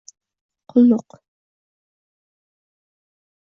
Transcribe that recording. Qulluq!